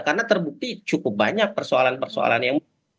karena terbukti cukup banyak persoalan persoalan yang